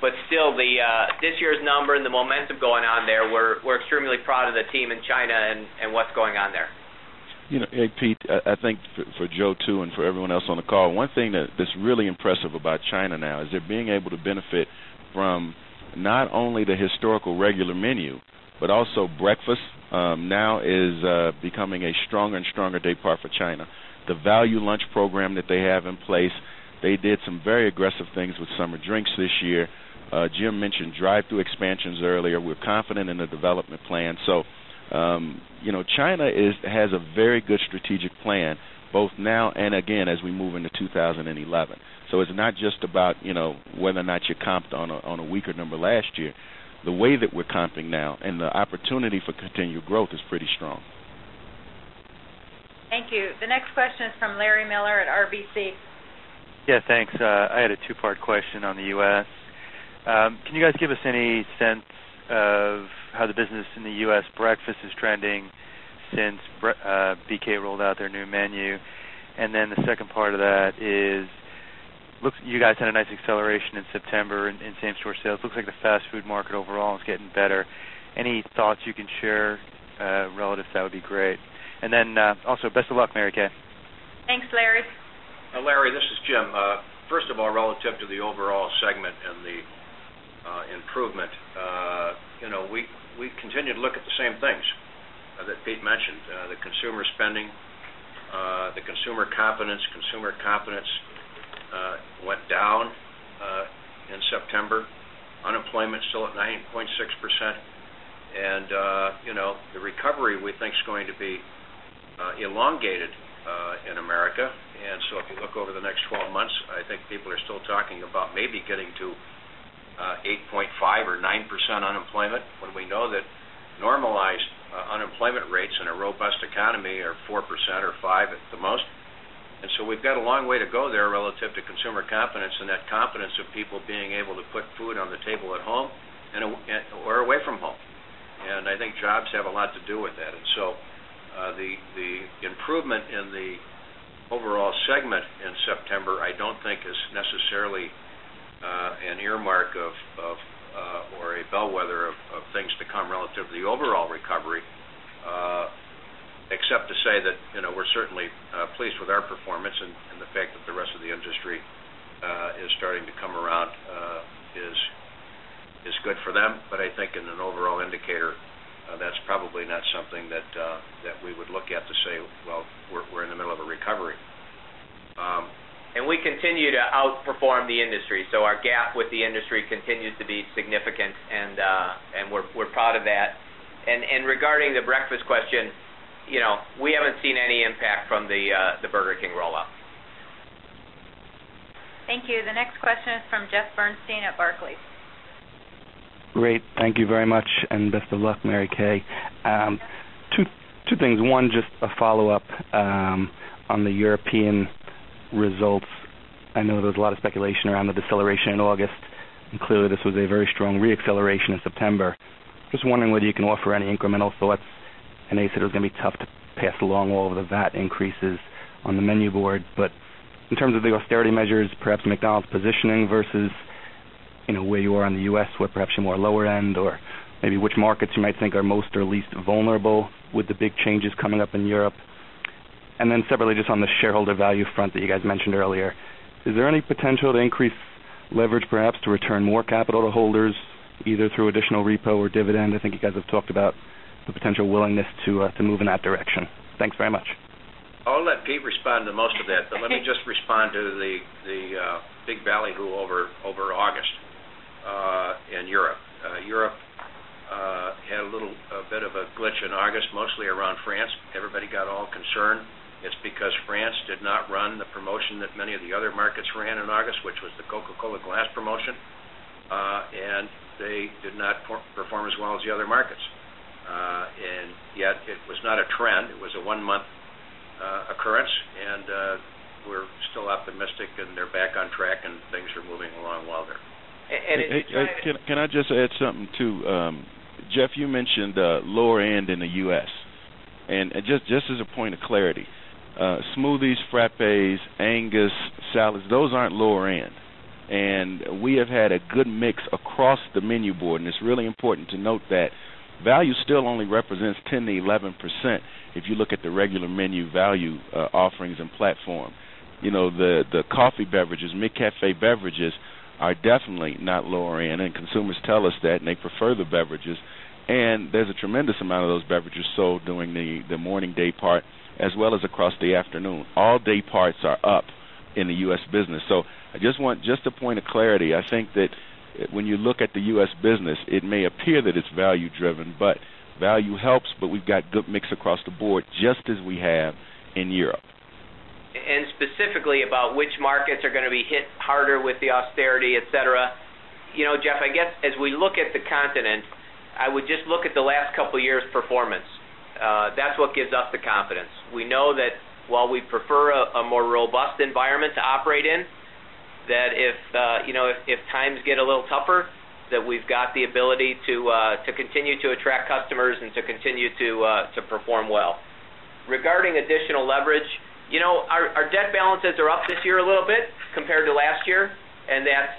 but still this year's number and the momentum going on there, we're extremely proud of the team in China and what's going on there. Pete, I think for Joe too and for everyone else on the call, one thing that's really impressive about China now is they're being able to benefit from not only the historical regular menu, but also breakfast, now is becoming a stronger and stronger daypart for China. The value lunch program that they have in place, they did some very aggressive things with summer drinks this year. Jim mentioned drive through expansions earlier. We're confident in the development plan. So, China has a very good strategic plan both now and again as we move into 2011. So, it's not just about whether or not you comped on a weaker number last year. The way that we're comping now and the opportunity for continued growth is pretty strong. Thank you. The next question is from Larry Miller at RBC. Yes, thanks. I had a 2 part question on the U. S. Can you guys give us any sense of how the business in the U. S. Breakfast is trending since BK rolled out their new menu? And then the second part of that is, looks you guys had a nice acceleration in September in same store sales. It looks like the fast food market overall is getting better. Any thoughts you can share relative, that would be great. And then also best of luck, Mary Kay. Thanks, Larry. Larry, this is Jim. First of all, relative to the overall segment and the improvement, we continue to look at the same things that Pete mentioned, the consumer spending, the consumer confidence, consumer confidence went down in September, unemployment still at 9.6 percent. And the recovery we think is going to be getting to 8.5% or 9% unemployment when we know that normalized unemployment rates in a robust economy are 4% or 5% at the most. And so we've got a long way to go there relative to consumer confidence and that confidence of people being able to put food on the table at home or away from home. And I think jobs have a lot to do with that. And so, the improvement in the overall segment in September, I don't think is necessarily an earmark of or a bellwether of things to come relative to the overall recovery, except to say that we're certainly pleased with our performance and the fact that the rest of the industry is starting to come around is good for them. But I think in an overall indicator, that's probably not something that we would look at to say, well, we're in the middle of a recovery. And we continue to outperform the industry. So our gap with the industry continues to be significant and we're proud of that. And regarding the breakfast question, we haven't seen any impact from the Burger King rollout. Thank you. The next question is from Jeff Bernstein at Barclays. Great. Thank you very much and best of luck, Mary Kay. Two things. 1, just a follow-up on the European results. I know there's a lot of speculation around the deceleration in August. Clearly, this was a very strong reacceleration in September. Just wondering whether you can offer any incremental thoughts and they said it was going to be tough to pass along all of the VAT increases on the menu board. But in terms of the austerity measures, perhaps McDonald's positioning versus where you are in the U. S. Where perhaps you're more lower end or maybe which markets you might think are most or least vulnerable with the big changes coming up in Europe? And then separately just on the shareholder value front that you guys mentioned earlier. Is there any potential to increase leverage perhaps to return more capital to holders either through additional repo or dividend? I think you guys have talked about the potential willingness to move in that direction. Thanks very much. I'll let Pete respond to most of that, but let me just respond to the big ballyhoo over August in Europe. Europe had a little bit of a glitch in August, mostly around France. Everybody got all concerned. It's because France did not run the promotion that many of the other markets ran in August, which was the Coca Cola Glass promotion. And they did not perform as well as the other markets. And yet, it was not a trend. It was a 1 month occurrence. And we're still optimistic and they're back on track and things are moving along well there. Can I just add something too? Jeff, you mentioned lower end in the U. S. And just as a point of clarity, smoothies, frappes, Angus, salads, those aren't lower end. And we have had a good mix across the menu board and it's really important to note that value still only represents 10% to 11% if you look at the regular menu value offerings and platform. The coffee beverages, McCafe beverages are definitely not lower in and consumers tell us that and they prefer the beverages and there's a tremendous amount of those beverages sold during the morning day part as well as across the afternoon. All day parts are up in the U. S. Business. So, I just want just a point of clarity. I think that when you look at the U. S. Business, it may appear that it's value driven, but value helps, but we've got good mix across the board just as we have in Europe. And specifically about which markets are going to be hit harder with the austerity, etcetera, Jeff, I guess as we look at the continent, I would just look at the last couple of years' performance. That's what gives us the confidence. We know that while we prefer a more robust environment to operate in, that if times get a little tougher, that we've got the ability to continue to attract customers and to continue to perform well. Regarding additional leverage, our debt balances are up this year a little bit compared to last year, and that's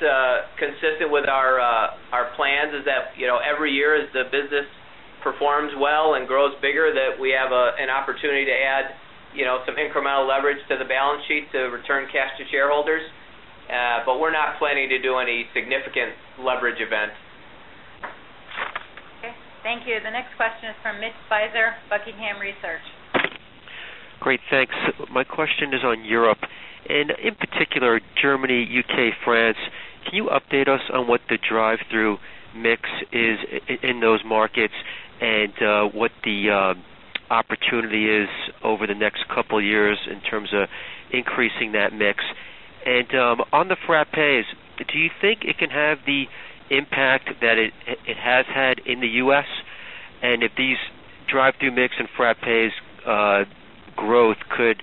consistent with our plans is that every year as the business performs well and grows bigger that we have an opportunity to add some incremental leverage to the balance sheet to return cash to shareholders. But we're not planning to do any significant leverage event. Okay. Thank you. The next question is from Mitch Feizer, Buckingham Research. Great. Thanks. My question is on Europe and in particular Germany, UK, France. Can you update us on what the drive thru mix is in those markets and what the opportunity is over the next couple of years in terms of increasing that mix? And on the frat pays, do you think it can have the impact that it has had in the U. S? And if these drive thru mix and frat pays growth could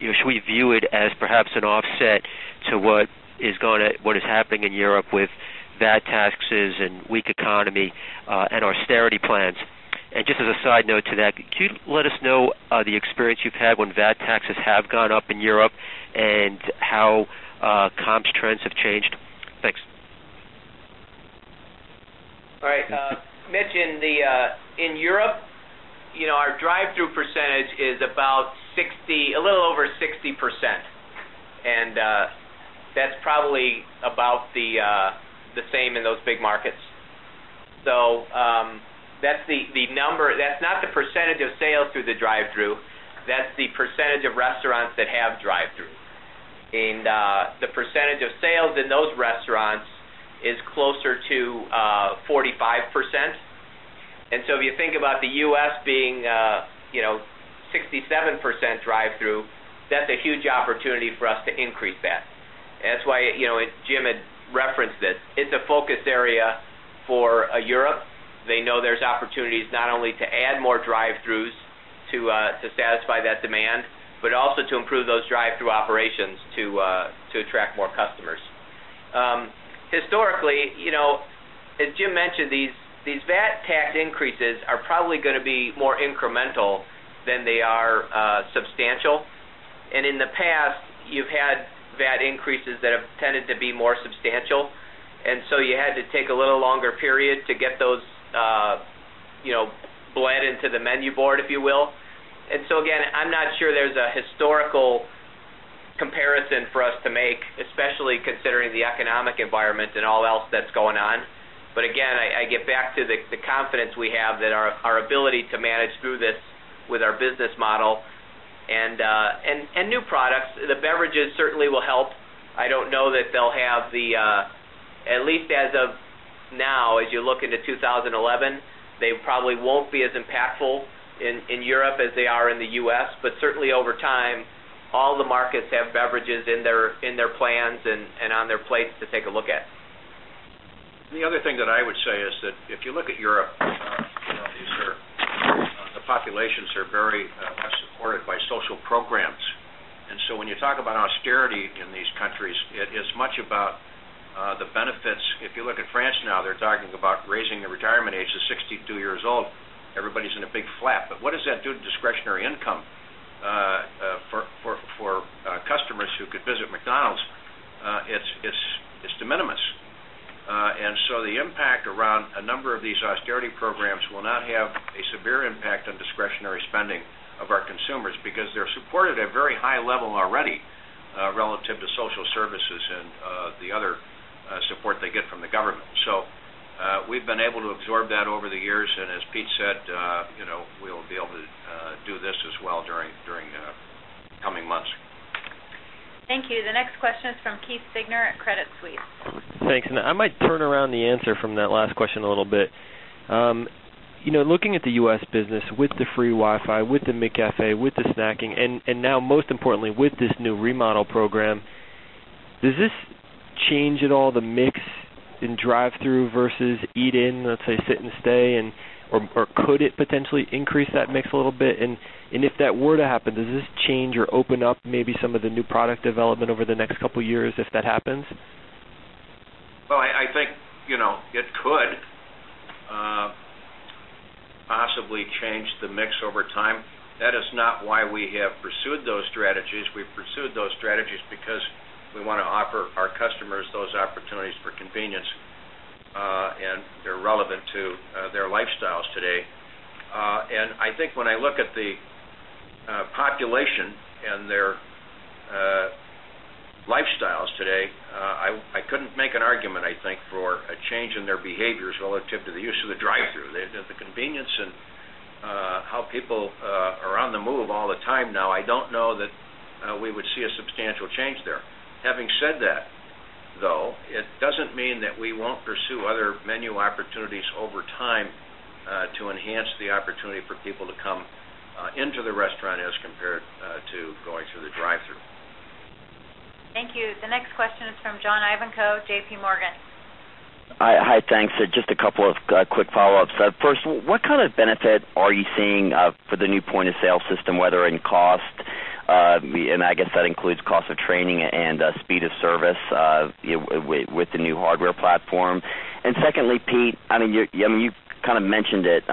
should we view it as perhaps an offset to what is going to what is happening in Europe with VAT taxes and weak economy and austerity plans? And just as a side note to that, could you let us know the experience you've had when VAT taxes have gone up in Europe and how comps trends have changed? Thanks. All right. Mitch, in Europe, our drive through percentage is about a little over 60%. And that's probably about the same in those big markets. So, that's the number that's not the percentage of sales through the drive thru, that's the percentage of restaurants that have drive thru. And the percentage of sales in those restaurants is closer to 45%. And so if you think about the U. S. Being 67% drive through, that's a huge opportunity for us to increase that. And that's why Jim had referenced this, it's a focus area for Europe. They know there's opportunities not only to add more drive to satisfy that demand, but also to improve those drive thru operations to attract more customers. Historically, as Jim mentioned, these VAT tax increases are probably going to be more incremental than they are substantial. And in the past, you've had VAT increases that have tended to be more substantial. And so you had to take a little longer period to get those bled into the menu board, if you will. And so again, I'm not sure there's a historical comparison for us to make, especially considering the economic environment and all else that's going on. But again, I get back to the confidence we have that our ability to manage through this with our business model and new products. The beverages certainly will help. I don't know that they'll have the at least as of now, as you look into 2011, they probably won't be as impactful in Europe as they are in the U. S. But certainly over time, all the markets have beverages in their plans and on their plates to take a look at. The other thing that I would say is that if you look at Europe, the populations are very supported by social programs. And so, when you talk about austerity in these countries, it is much about the benefits. If you look at France now, they're talking about raising the retirement age of 62 years old. Everybody's in a big flat. But what does that do to discretionary income for customers who could visit McDonald's? It's de minimis. And so, the impact around a number of these austerity programs will not have a severe impact on discretionary spending of our consumers because they're supported at very high level already relative to social services and the other support they get from the government. So, we've been able to absorb that over the years. And as Pete said, we will be able to do this as well during the coming months. You. The next question is from Keith Signer at Credit Suisse. Thanks. And I might turn around the answer from that last question a little bit. Looking at the U. S. Business with the free Wi Fi, with the McAfee, with the snacking and now most change at all the mix change at all the mix in drive thru versus eat in, let's say, sit and stay and or could it happens? Well, I think it could possibly change the mix over time. That is not why we have pursued those strategies. We pursued those strategies because we want to offer our customers those opportunities for convenience and they're relevant to their lifestyles today. And I think when I look at the population and their lifestyles today, I couldn't make an argument, I think, for a change in their behaviors relative to the use of the drive thru. The convenience and how people are on the move all the time now, I don't know that we would see a substantial change there. Having said that, though, it doesn't mean that we won't pursue other menu opportunities over time to enhance the opportunity for people to come into the restaurant as compared to going through the drive thru. Thank you. The next question is from John Ivankoe, JPMorgan. Hi, thanks. Just a couple of quick follow ups. First, what kind of benefit are you seeing for the new point of sale system, whether in cost, and I guess that includes cost of training and speed of service with the new hardware platform? And secondly, Pete, I mean, you kind of mentioned it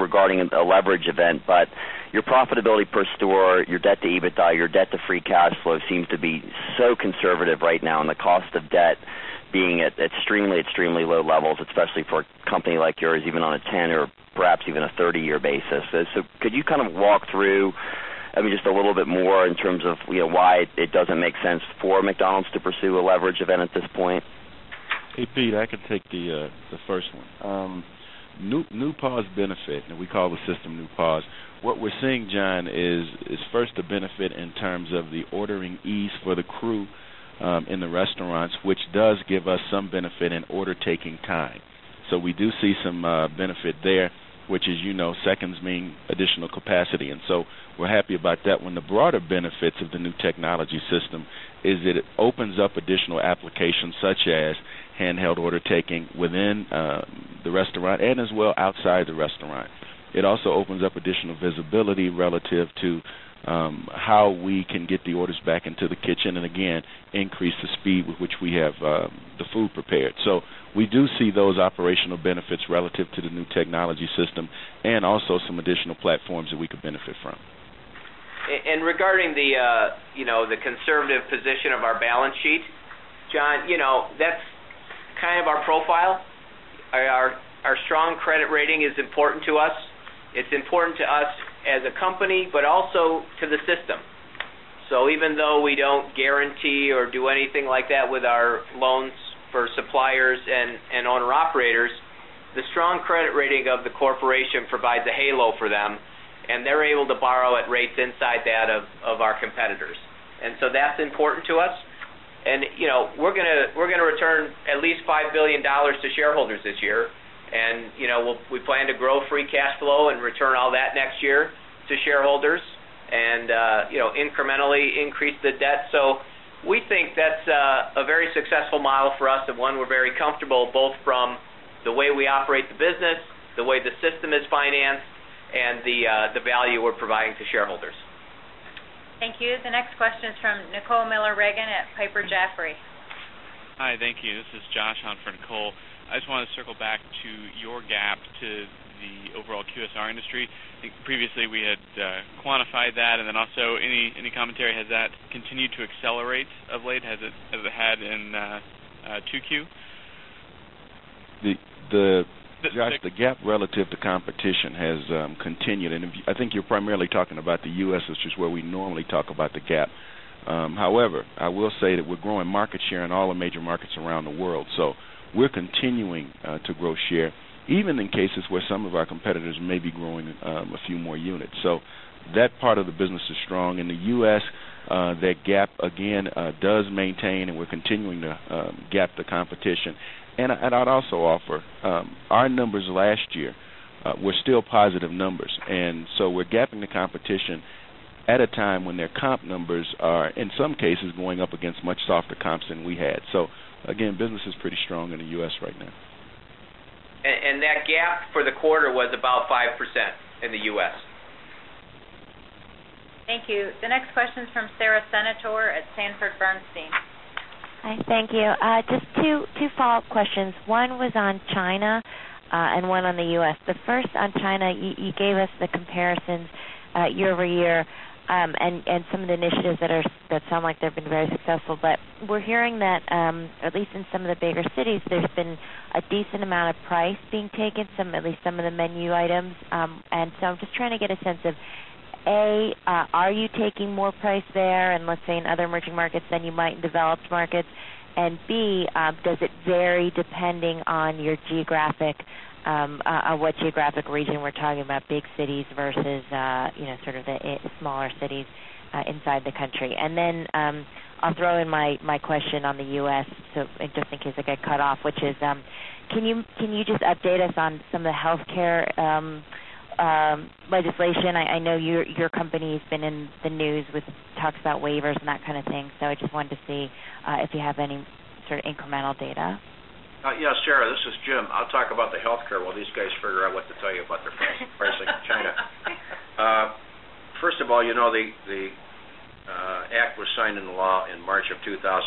regarding a leverage event, but your profitability per store, your debt to EBITDA, your debt to free cash flow seems to be so conservative right now and the cost of debt being at extremely, extremely low levels, especially for a company like yours even on a 10 year or perhaps even a 30 year basis. So could you kind of walk through, I mean, just a little bit more in terms of why it doesn't make sense for McDonald's to pursue a leverage event at this point? Hey, Pete, I can take the first one. New pause benefit and we call the system New pause. What we're seeing John is first a benefit in terms of the ordering ease for the crew, in the restaurants, which does give us some benefit in order taking time. So, we do see some benefit there, which as you know, seconds mean additional capacity. And so, we're happy about that. When the broader benefits of the new technology system is that it opens up additional applications such as handheld order taking within the restaurant and as well outside the restaurant. It also opens up additional visibility relative to how we can get the orders back into the kitchen and again increase the speed with which we have the food prepared. So we do see those operational benefits relative to the new technology system and also some additional platforms that could benefit from. And regarding the conservative position of our balance sheet, John, that's kind of our profile. Our strong credit rating is important to us. It's important to us as a company, but also to the system. So even though we don't guarantee or do anything like that with our loans for suppliers and owner operators, the strong credit rating of the corporation provides a halo for them and they're able to borrow at rates inside that of our competitors. And so that's important to us. And we're going to return at least $5,000,000,000 to shareholders this year. And we plan to grow free cash flow and return all that next year to shareholders and incrementally increase the debt. So we think that's a very successful model for us and one we're very comfortable both from the way we operate the business, the way the system is financed and the value we're providing to shareholders. Thank you. The next question is from Nicole Miller Regan at Piper Jaffray. Hi, thank you. This is Josh on for Nicole. I just want to circle back to your gap to the overall QSR industry. Previously, we had quantified that. And then also any commentary has that continued to accelerate of late? Has it had in 2Q? Josh, the gap relative to competition has continued. And I think you're primarily However, I will say that we're growing market share in all the major markets around the world. So, we're continuing to grow share even in cases where some of our competitors may be growing a few more units. So, that part of the business is strong. In the U. S, that gap again does maintain and we're continuing to, gap the competition. And I'd also offer, our numbers last year were still positive numbers. And so we're gapping the competition at a time when their comp numbers are in some cases going up against much softer comps than we had. So again, business is pretty strong in the U. S. Right now. And that gap for the quarter was about 5% in the U. S. Thank you. The next question is from Sara Senatore at Sanford Bernstein. Hi, thank you. Just two follow-up questions. One was on China and one on the U. S. The first on China, you gave us the comparisons year over year and some of the initiatives that are that sound like they've been very successful. But we're hearing that, at least in some of the bigger cities, there's been a decent amount of price being taken, some at least some of the menu items. And so I'm just trying to get a sense of A, are you taking more price there and let's say in other emerging markets than you might developed markets? And B, does it vary depending on your geographic, what geographic region we're talking about big cities versus sort of the smaller cities inside the country? And then, I'll throw in my question on the U. S, just in case I get cut off, which is, can you just update us on some of the healthcare legislation? I know your company has been in the news with talks about waivers and that kind of thing. So I just wanted to see if you have any sort of incremental data? Yes, Sarah, this is Jim. I'll talk about the healthcare while these guys figure out what to tell you about their pricing in China. First of all, the act was signed into law in March of 2010.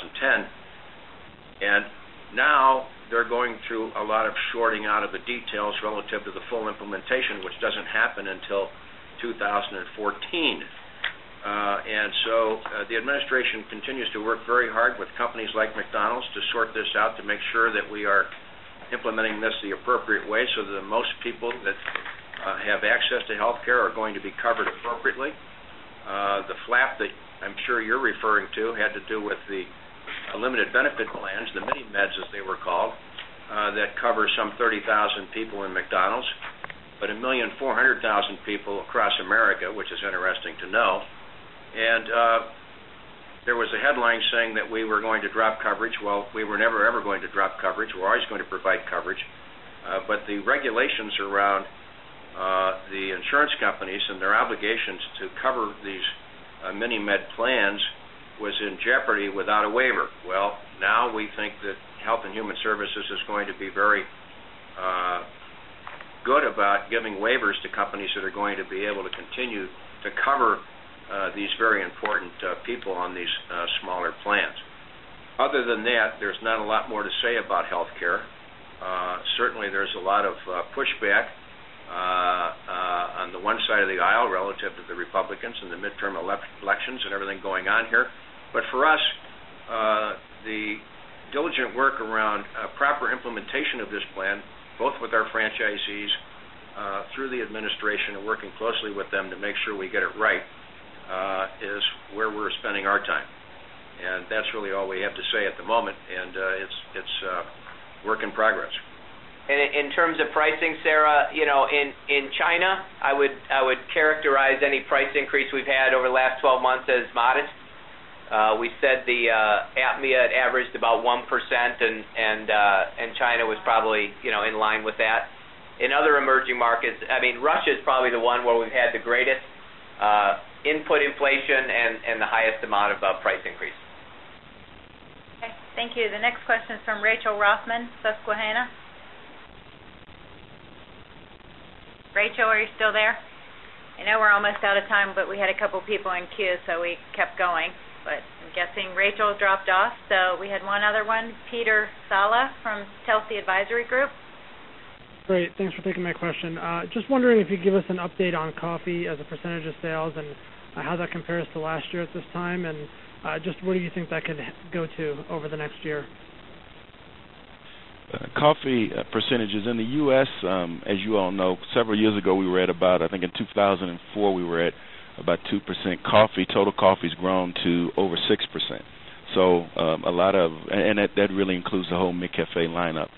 And now they're going through a lot of shorting out of the details relative to the full implementation, which doesn't happen until 2014. And so, the administration continues to work very hard with companies like McDonald's to sort this out to make sure that we are implementing this the appropriate way, so that most people that have access to healthcare are going to be covered appropriately. The flap that I'm sure you're referring to had to do with the limited benefit plans, the mini meds as they were called, that cover some 30,000 people in McDonald's, but 1,400,000 people across America, which is interesting to know. And there was a headline saying that we were going to drop coverage. Well, we were never ever going to drop coverage. We're always going to provide coverage. But the regulations around the insurance companies and their obligations to cover these mini med plans was in jeopardy without a waiver. Well, now we think that Health and Human Services is going to be very good about giving waivers to companies that are going to be able to continue to cover these very important people on these smaller plans. Other than that, there's not a lot more to say about healthcare. Certainly, there's a lot of pushback on the one side of the aisle relative to the Republicans in the midterm elections and everything going on here. But for us, the diligent work around proper implementation of this plan, both with our franchisees through the administration and working closely with them to make sure we get it right is where we're spending our time. And that's really all we have to say at the moment. And it's work in progress. And in terms of pricing, Sarah, in China, I would characterize any price increase we've had over the last 12 months as modest. We said the APMEA averaged about 1% and China was probably in line with that. In other emerging markets, I mean, Russia is probably the one where we've had the greatest input inflation and the highest amount of price increase. Thank you. The next question is from Rachel Rothman, Susquehanna. Rachel, are you still there? I know we're almost out of time, but we had a couple of people in queue, so we kept going. But I'm guessing Rachel dropped off. So we had one other one, Peter Saleh from Telsey Advisory Group. Great. Thanks for taking my question. Just wondering if you could give us an update on coffee as a percentage of sales and how that compares to last year at this time? And just where do you think that could go to over the next year? Coffee percentages in the U. S, as you all know, several years ago, we were at about I think in 2,004, we were at about 2% coffee. Total has grown to over 6%. So, a lot of and that really includes the whole McCafe lineup.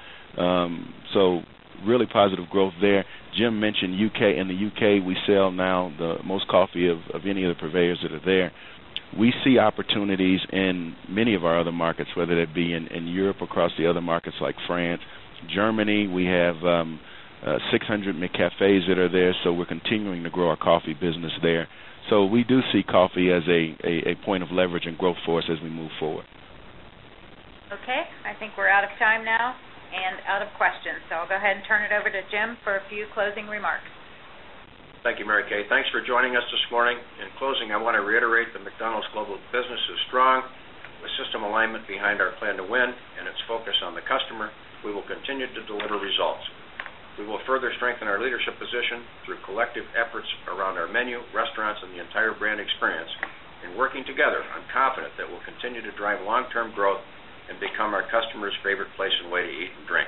So really positive growth there. Jim mentioned U. K. In the U. K, we sell now the most coffee of any of the purveyors that are there. We see 6 100 McCaffes that are there. So we're continuing to grow our coffee business there. So we do see coffee as a point of leverage and growth for us as we move forward. Okay. I think we're out of time now and out of questions. So I'll go ahead and turn it over to Jim for a few closing remarks. Thank you, Mary Kay. Thanks for joining us this morning. In closing, I want to reiterate that McDonald's global business is strong. With system alignment behind our plan to win and its focus on the customer, we will continue to deliver results. We will further strengthen our leadership position through collective efforts around our menu, restaurants and the entire brand experience. In working together, I'm confident that we'll continue to drive long term growth and become our customers' favorite place and way to eat and drink.